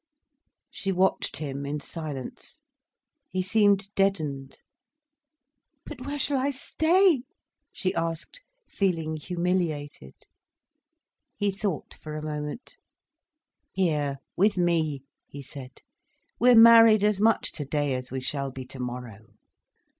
She watched him in silence. He seemed deadened. "But where shall I stay?" she asked, feeling humiliated. He thought for a moment. "Here, with me," he said. "We're married as much today as we shall be tomorrow."